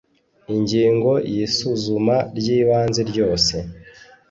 ingingo yisuzuma ryibanze ryose